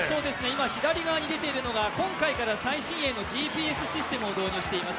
左側に出ているのが今回から最新鋭のＧＰＳシステムを利用しています。